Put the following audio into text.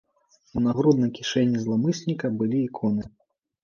У нагруднай кішэні зламысніка былі іконы.